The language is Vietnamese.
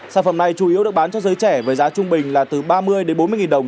sản phẩm này chủ yếu được bán cho giới trẻ với giá trung bình là từ ba mươi đến bốn mươi nghìn đồng